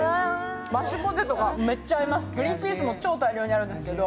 マッシュポテトがすごい合います、グリーンピースもいっぱいあるんですけど。